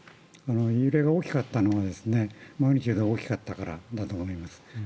揺れが大きかったのはマグニチュードが大きかったからだと思います。